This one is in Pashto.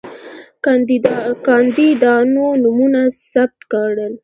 کاندیدانو نومونه ثبت کړل.